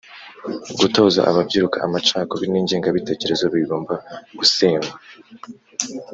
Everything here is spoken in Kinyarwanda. gutoza ababyiruka amacakuri n ingengabitekerezo bigomba gusenywa